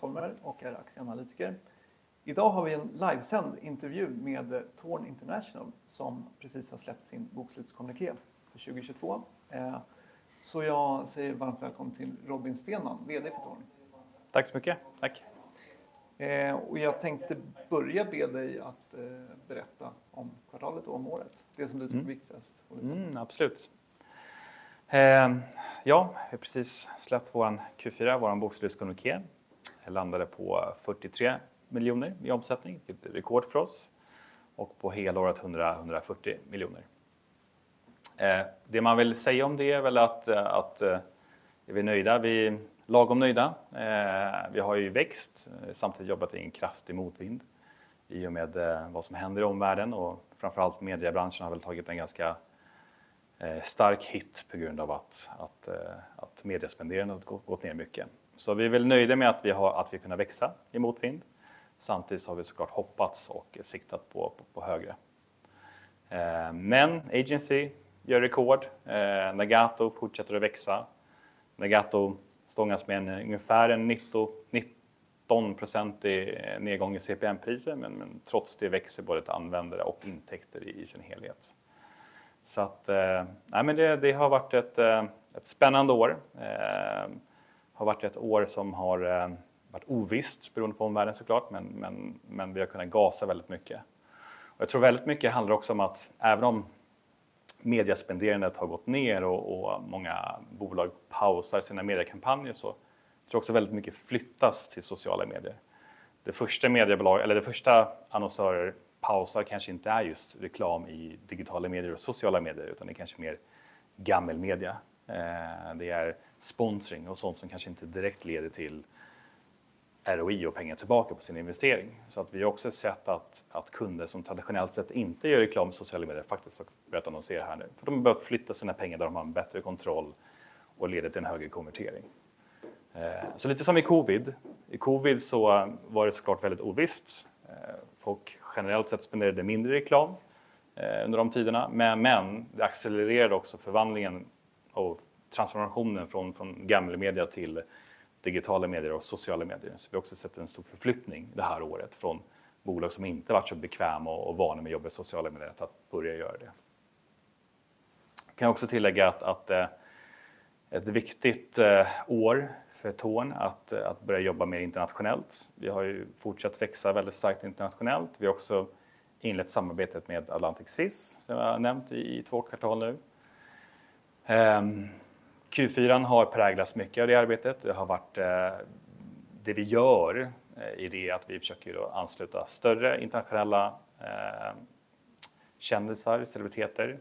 Kellner och är aktieanalytiker. Idag har vi en livesänd intervju med Tourn International som precis har släppt sin bokslutskommuniké för 2022. Jag säger varmt välkommen till Robin Stenman, VD för Tourn. Tack så mycket. Tack. Jag tänkte börja be dig att berätta om kvartalet och om året. Det som du tycker är viktigast. Absolut. Ja, vi har precis släppt våran Q4, våran bokslutskommuniké. Landade på SEK 43 million i omsättning, vilket är rekord för oss och på helåret SEK 140 million. Det man vill säga om det är väl att är vi nöjda, vi är lagom nöjda. Vi har ju växt, samtidigt jobbat i en kraftig motvind i och med vad som händer i omvärlden och framför allt mediabranschen har väl tagit en ganska stark hit på grund av att mediaspenderandet gått ner mycket. Vi är väl nöjda med att vi kunnat växa i motvind. Samtidigt har vi så klart hoppats och siktat på högre. Agency gör rekord. Nagato fortsätter att växa. Nagato stångas med en ungefär en 19% nedgång i CPM-priser, men trots det växer både till användare och intäkter i sin helhet. Nej men det har varit ett spännande år. Har varit ett år som har varit ovisst beroende på omvärlden så klart, men, men vi har kunnat gasa väldigt mycket. Jag tror väldigt mycket handlar också om att även om mediaspenderandet har gått ner och många bolag pausar sina mediakampanjer så tror jag också väldigt mycket flyttas till sociala medier. Det första mediebolag eller det första annonsörer pausar kanske inte är just reklam i digitala medier och sociala medier, utan det kanske är mer gammelmedia. Det är sponsring och sånt som kanske inte direkt leder till ROI och pengar tillbaka på sin investering. Vi har också sett att kunder som traditionellt sett inte gör reklam på sociala medier faktiskt har börjat annonsera här nu. De har börjat flytta sina pengar där de har en bättre kontroll och leder till en högre konvertering. Så lite som i covid. I covid så var det så klart väldigt ovisst. Folk generellt sett spenderade mindre reklam under de tiderna. Det accelererade också förvandlingen och transformationen från gammelmedia till digitala medier och sociala medier. Vi har också sett en stor förflyttning det här året från bolag som inte varit så bekväma och vana med att jobba i sociala medier att börja göra det. Kan jag också tillägga att ett viktigt år för Tourn att börja jobba mer internationellt. Vi har ju fortsatt växa väldigt starkt internationellt. Vi har också inlett samarbetet med Atlantic Swiss, som jag har nämnt i 2 kvartal nu. Q4 har präglats mycket av det arbetet. Det har varit det vi gör i det att vi försöker att ansluta större internationella, kändisar, celebriteter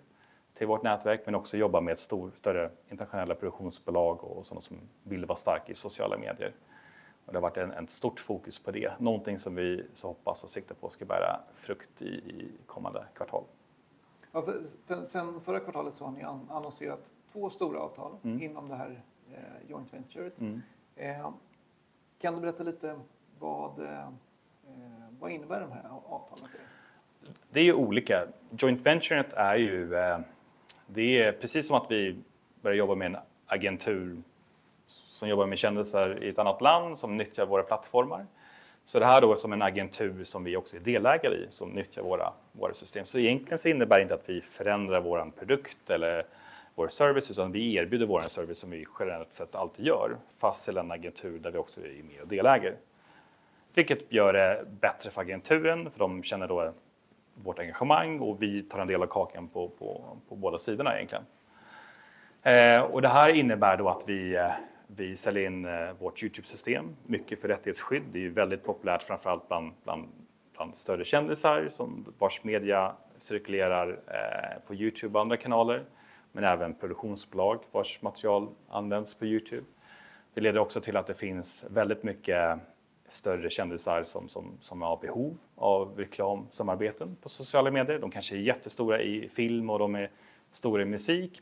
till vårt nätverk, men också jobba med större internationella produktionsbolag och sådana som vill vara stark i sociala medier. Det har varit ett stort fokus på det. Någonting som vi så hoppas och siktar på ska bära frukt i kommande kvartal. För, sen förra kvartalet har ni annonserat 2 stora avtal inom det här joint venturet. Kan du berätta lite vad innebär de här avtalen för er? Det är ju olika. Joint venturet är ju, det är precis som att vi börjar jobba med en agentur som jobbar med kändisar i ett annat land som nyttjar våra plattformar. Det här då är som en agentur som vi också är delägare i, som nyttjar våra system. Egentligen så innebär det inte att vi förändrar våran produkt eller vår service, utan vi erbjuder våran service som vi generellt sett alltid gör. Fast i den agentur där vi också är med och deläger. Vilket gör det bättre för agenturen, för de känner då vårt engagemang och vi tar en del av kakan på båda sidorna egentligen. Det här innebär då att vi säljer in vårt YouTube-system, mycket för rättighetsskydd. Det är ju väldigt populärt, framför allt bland större kändisar vars media cirkulerar på YouTube och andra kanaler, men även produktionsbolag vars material används på YouTube. Det leder också till att det finns väldigt mycket större kändisar som är av behov av reklamsamarbeten på sociala medier. De kanske är jättestora i film och de är stora i musik,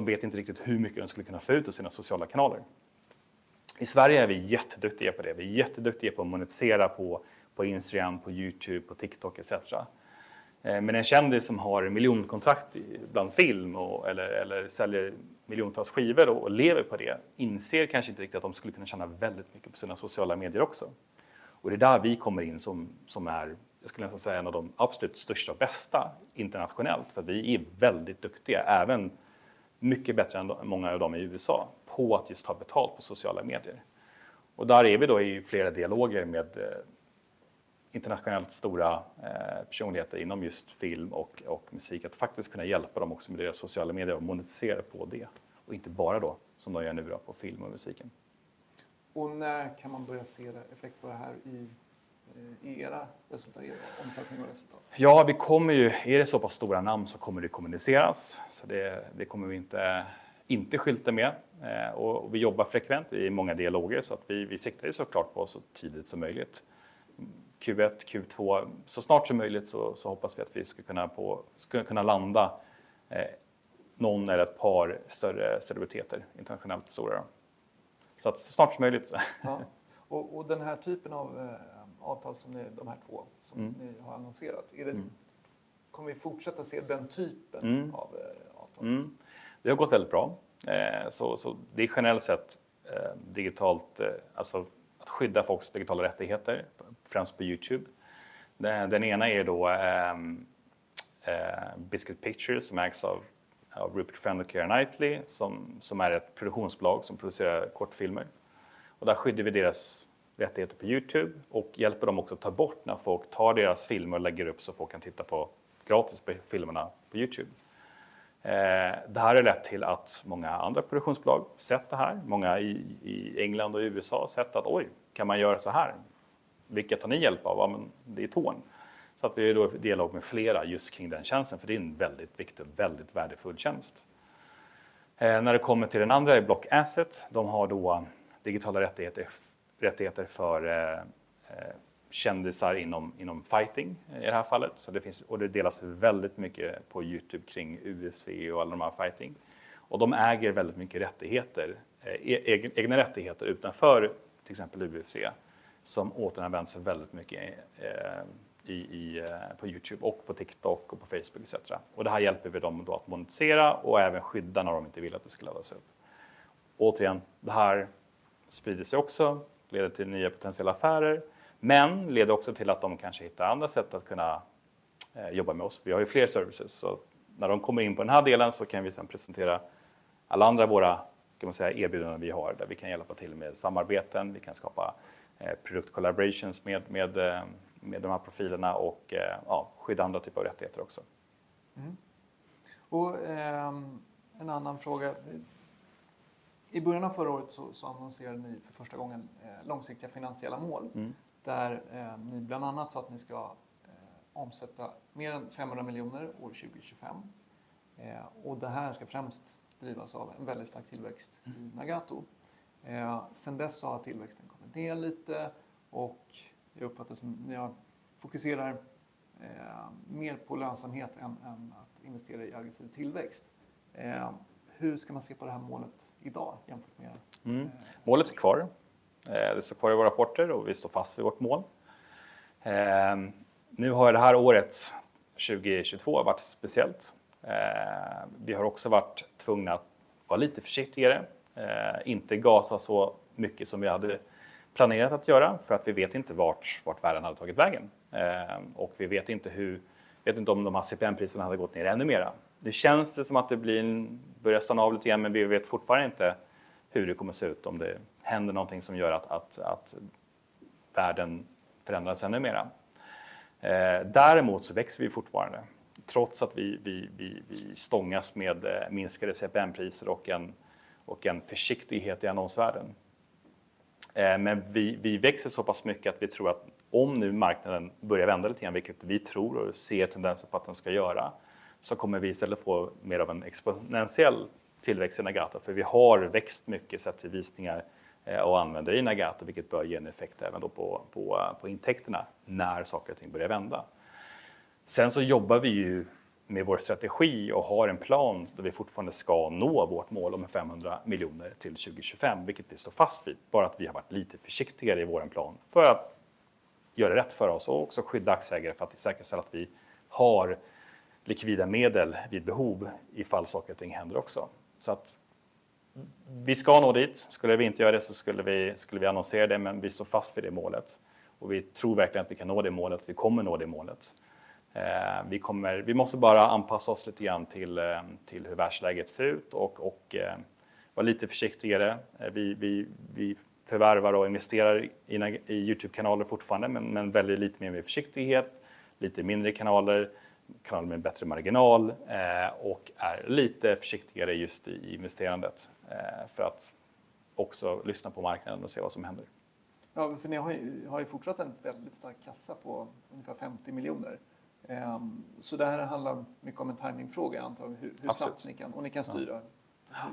men de vet inte riktigt hur mycket de skulle kunna få ut av sina sociala kanaler. I Sverige är vi jätteduktiga på det. Vi är jätteduktiga på att monetisera på Instagram, på YouTube, på TikTok et cetera. En kändis som har miljonkontrakt bland film eller säljer miljontals skivor och lever på det, inser kanske inte riktigt att de skulle kunna tjäna väldigt mycket på sina sociala medier också. Det är där vi kommer in som är, jag skulle nästan säga en av de absolut största och bästa internationellt. För vi är väldigt duktiga, även mycket bättre än många av dem i USA, på att just ta betalt på sociala medier. Där är vi då i flera dialoger med internationellt stora, eh, personligheter inom just film och musik att faktiskt kunna hjälpa dem också med deras sociala medier och monetisera på det. Inte bara då, som de gör nu då på film och musiken. När kan man börja se effekter av det här i era resultat, i era omsättning och resultat? Ja, vi kommer ju. Är det så pass stora namn så kommer det kommuniceras. Det kommer vi inte skylta med. Vi jobbar frekvent, vi är i många dialoger. Vi siktar ju så klart på så tidigt som möjligt. Q1, Q2, så snart som möjligt så hoppas vi att vi ska kunna landa någon eller ett par större celebriteter, internationellt stora då. Så snart som möjligt. Ja, den här typen av avtal som ni, de här två som ni har annonserat, Kommer vi fortsätta se den typen av avtal? Det har gått väldigt bra. Det är generellt sett digitalt, alltså att skydda folks digitala rättigheter, främst på YouTube. Den ena är då Beat Pictures som ägs av Rupert Friend och Keira Knightley, som är ett produktionsbolag som producerar kortfilmer. Där skyddar vi deras rättigheter på YouTube och hjälper dem också att ta bort när folk tar deras filmer och lägger upp så folk kan titta på gratis filmerna på YouTube. Det här har lett till att många andra produktionsbolag sett det här. Många i England och USA har sett att oj, kan man göra såhär? Vilket tar ni hjälp av? Det är Tourn. Vi är då i dialog med flera just kring den tjänsten för det är en väldigt viktig och väldigt värdefull tjänst. När det kommer till den andra är Blockasset. De har då digitala rättigheter för kändisar inom fighting i det här fallet. Det finns och det delas väldigt mycket på YouTube kring UFC och alla de här fighting. De äger väldigt mycket rättigheter, egna rättigheter utanför till exempel UFC som återanvänds väldigt mycket i på YouTube och på TikTok och på Facebook etcetera. Det här hjälper vi dem då att monetisera och även skydda när de inte vill att det ska laddas upp. Återigen, det här sprider sig också, leder till nya potentiella affärer, men leder också till att de kanske hittar andra sätt att kunna jobba med oss. Vi har ju fler services. När de kommer in på den här delen så kan vi sen presentera alla andra våra, kan man säga, erbjudanden vi har, där vi kan hjälpa till med samarbeten. Vi kan skapa product collaborations med de här profilerna och ja, skydda andra typer av rättigheter också. En annan fråga. I början av förra året så annonserade ni för första gången långsiktiga finansiella mål. Där ni bland annat sa att ni ska omsätta mer än SEK 500 million 2025. Det här ska främst drivas av en väldigt stark tillväxt i Nagato. Sen dess har tillväxten kommit ner lite och det uppfattas som ni har fokuserar mer på lönsamhet än att investera i aggressiv tillväxt. Hur ska man se på det här målet i dag jämfört med? Målet är kvar. Det står kvar i våra rapporter. Vi står fast vid vårt mål. Det här året, 2022, har varit speciellt. Vi har också varit tvungna att vara lite försiktigare, inte gasa så mycket som vi hade planerat att göra för att vi vet inte vart världen hade tagit vägen. Vi vet inte hur, vet inte om de här CPM-priserna hade gått ner ännu mera. Känns det som att det börjar stanna av lite grann, men vi vet fortfarande inte hur det kommer att se ut om det händer någonting som gör att världen förändras ännu mera. Växer vi fortfarande trots att vi stångas med minskade CPM-priser och en försiktighet i annonsvärlden. Vi växer så pass mycket att vi tror att om nu marknaden börjar vända lite grann, vilket vi tror och ser tendenser på att den ska göra, kommer vi i stället få mer av en exponentiell tillväxt i Nagato. Vi har växt mycket sett till visningar och användare i Nagato, vilket bör ge en effekt även då på intäkterna när saker och ting börjar vända. Vi jobbar ju med vår strategi och har en plan där vi fortfarande ska nå vårt mål om SEK 500 million till 2025, vilket vi står fast vid. Bara att vi har varit lite försiktigare i vår plan för att göra rätt för oss och också skydda aktieägare för att säkerställa att vi har likvida medel vid behov ifall saker och ting händer också. Vi ska nå dit. Skulle vi inte göra det så skulle vi, skulle vi annonsera det, men vi står fast vid det målet. Vi tror verkligen att vi kan nå det målet. Vi kommer nå det målet. Vi kommer, vi måste bara anpassa oss lite grann till hur världsläget ser ut och vara lite försiktigare. Vi förvärvar och investerar i YouTube-kanaler fortfarande, men väljer lite mer med försiktighet, lite mindre kanaler med bättre marginal och är lite försiktigare just i investerandet för att också lyssna på marknaden och se vad som händer. Ja, för ni har ju fortsatt en väldigt stark kassa på ungefär SEK 50 million. Det här handlar mycket om en timing fråga antar jag. Hur snabbt ni kan och ni kan styra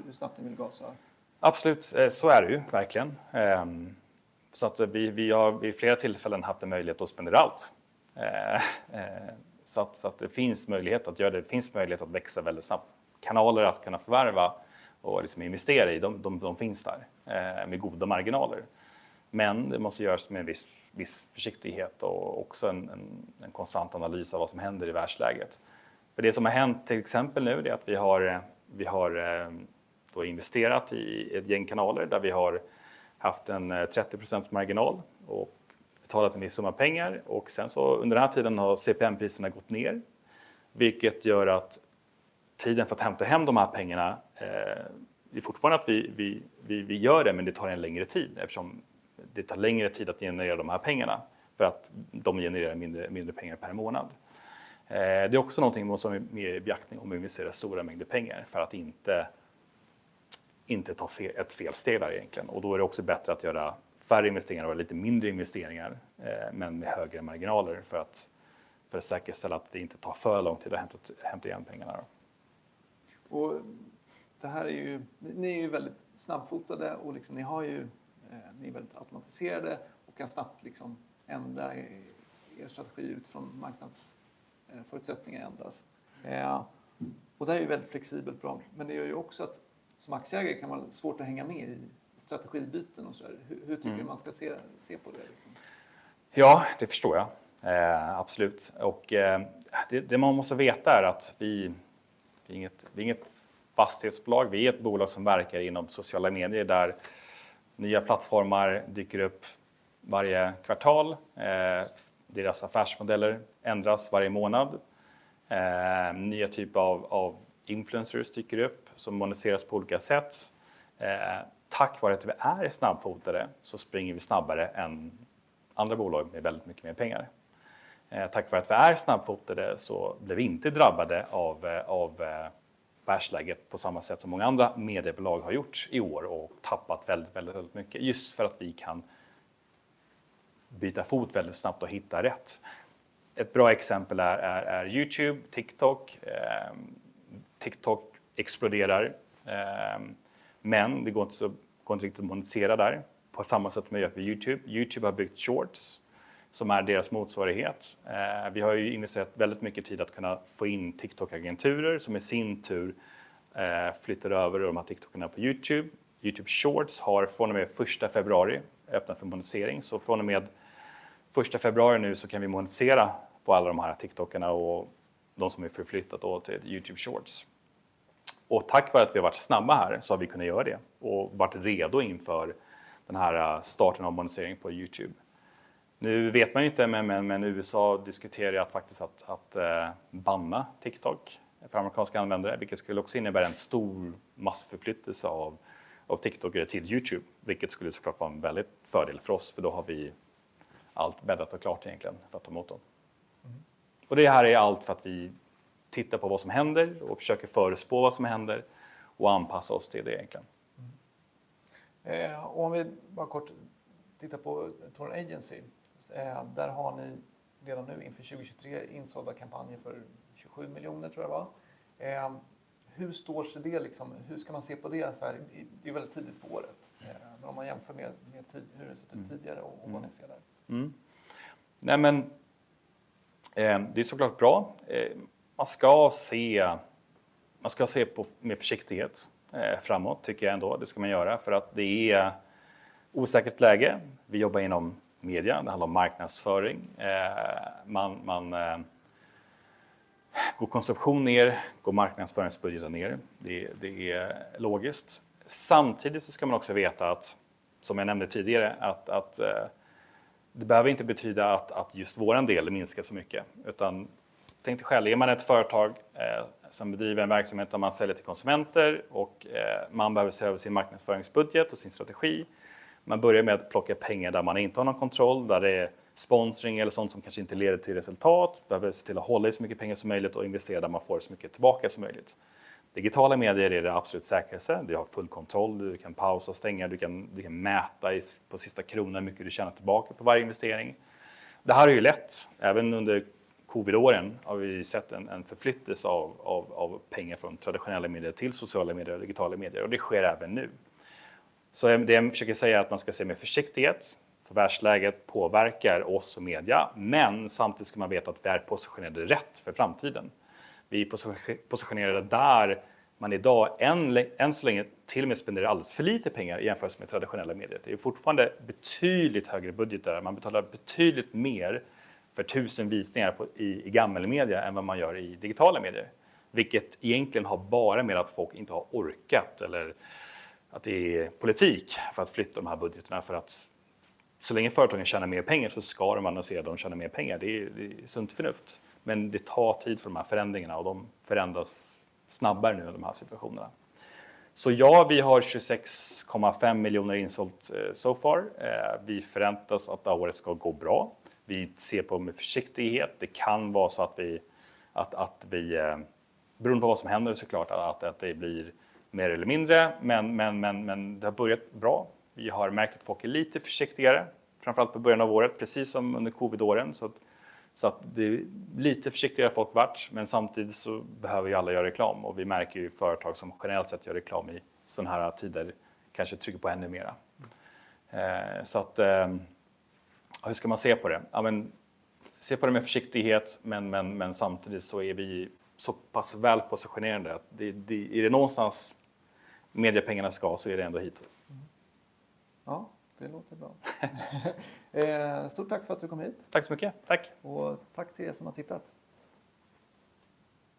hur snabbt ni vill gasa. Absolut, så är det ju verkligen. Vi har vid flera tillfällen haft en möjlighet att spendera allt. Det finns möjlighet att göra det. Det finns möjlighet att växa väldigt snabbt. Kanaler att kunna förvärva och investera i, de finns där med goda marginaler. Det måste göras med en viss försiktighet och också en konstant analys av vad som händer i världsläget. Det som har hänt till exempel nu är att vi har då investerat i ett gäng kanaler där vi har haft en 30% marginal och betalat en viss summa pengar. Under den här tiden har CPM-priserna gått ner, vilket gör att tiden för att hämta hem de här pengarna, det är fortfarande att vi gör det, men det tar en längre tid eftersom det tar längre tid att generera de här pengarna för att de genererar mindre pengar per månad. Det är också någonting som vi måste ha med i beaktning om vi investerar stora mängder pengar för att inte ta ett felsteg där egentligen. Då är det också bättre att göra färre investeringar och lite mindre investeringar, men med högre marginaler för att säkerställa att det inte tar för lång tid att hämta igen pengarna. Det här är ju, ni är ju väldigt snabbfotade och ni har ju, ni är väldigt automatiserade och kan snabbt liksom ändra er strategi utifrån marknadsförutsättningar ändras. Det här är ju väldigt flexibelt bra, men det gör ju också att som aktieägare kan det vara svårt att hänga med i strategibyten och sådär. Hur tycker du man ska se på det? Ja, det förstår jag. Absolut. Det man måste veta är att vi är inget fastighetsbolag. Vi är ett bolag som verkar inom sociala medier där nya plattformar dyker upp varje kvartal. Deras affärsmodeller ändras varje månad. Nya typer av influencers dyker upp som moneteras på olika sätt. Tack vare att vi är snabbfotade så springer vi snabbare än andra bolag med väldigt mycket mer pengar. Tack vare att vi är snabbfotade så blev vi inte drabbade av börsläget på samma sätt som många andra mediebolag har gjort i år och tappat väldigt, väldigt mycket. Just för att vi kan byta fot väldigt snabbt och hitta rätt. Ett bra exempel är YouTube, TikTok. TikTok exploderar, men det går inte riktigt att monetera där på samma sätt som det gör på YouTube. YouTube har byggt Shorts som är deras motsvarighet. Vi har ju investerat väldigt mycket tid att kunna få in TikTok-agenturer som i sin tur flyttar över de här TikTokerna på YouTube. YouTube Shorts har från och med 1 februari öppnat för monetisering. Från och med 1 februari nu så kan vi monetisera på alla de här TikTokerna och de som är förflyttat då till YouTube Shorts. Tack vare att vi har varit snabba här så har vi kunnat göra det och varit redo inför den här starten av monetisering på YouTube. Nu vet man ju inte, men USA diskuterar ju faktiskt att banna TikTok för amerikanska användare, vilket skulle också innebära en stor massförflyttelse av TikToker till YouTube, vilket skulle så klart vara en väldig fördel för oss. Då har vi allt bäddat och klart egentligen för att ta emot dem. Det här är allt för att vi tittar på vad som händer och försöker förespå vad som händer och anpassa oss till det egentligen. Om vi bara kort tittar på Tourn Agency. Där har ni redan nu inför 2023 insålda kampanjer för SEK 27 million tror jag det var. Hur står sig det liksom? Hur ska man se på det? Det är ju väldigt tidigt på året. Om man jämför med hur det sett ut tidigare och vad ni ser där. Det är så klart bra. Man ska se, man ska se på med försiktighet framåt tycker jag ändå. Det ska man göra för att det är osäkert läge. Vi jobbar inom media, det handlar om marknadsföring. Går konsumtion ner, går marknadsföringsbudgeten ner. Det är logiskt. Ska man också veta att, som jag nämnde tidigare, att det behöver inte betyda att just vår del minskar så mycket. Tänk dig själv, är man ett företag, som bedriver en verksamhet där man säljer till konsumenter och man behöver se över sin marknadsföringsbudget och sin strategi. Man börjar med att plocka pengar där man inte har någon kontroll, där det är sponsring eller sådant som kanske inte leder till resultat. Behöver se till att hålla i så mycket pengar som möjligt och investera där man får så mycket tillbaka som möjligt. Digitala medier är det absolut säkraste. Vi har full kontroll. Du kan pausa och stänga. Du kan mäta på sista kronan hur mycket du tjänar tillbaka på varje investering. Det har ju lett, även under covid-åren, har vi sett en förflyttelse av pengar från traditionella medier till sociala medier och digitala medier. Det sker även nu. Det jag försöker säga är att man ska se med försiktighet. Världsläget påverkar oss och media, men samtidigt ska man veta att vi är positionerade rätt för framtiden. Vi är positionerade där man i dag än så länge till och med spenderar alldeles för lite pengar i jämförelse med traditionella medier. Det är fortfarande betydligt högre budget där. Man betalar betydligt mer för tusen visningar i gamla media än vad man gör i digitala medier. Vilket egentligen har bara med att folk inte har orkat eller att det är politik för att flytta de här budgetarna. För att så länge företagen tjänar mer pengar så ska de annonsera då de tjänar mer pengar. Det är sunt förnuft, men det tar tid för de här förändringarna och de förändras snabbare nu i de här situationerna. Ja, vi har SEK 26.5 million insålt so far. Vi förväntas att det här året ska gå bra. Vi ser på med försiktighet. Det kan vara så att vi, att vi, beroende på vad som händer så klart, att det blir mer eller mindre, men det har börjat bra. Vi har märkt att folk är lite försiktigare, framför allt på början av året, precis som under COVID-åren. Det är lite försiktigare folk vart, men samtidigt så behöver ju alla göra reklam och vi märker ju företag som generellt sett gör reklam i sådana här tider kanske trycker på ännu mera. Hur ska man se på det? Se på det med försiktighet, men samtidigt så är vi så pass väl positionerade. Är det någonstans mediapengarna ska så är det ändå hit. Ja, det låter bra. Stort tack för att du kom hit. Tack så mycket. Tack. Och tack till er som har tittat.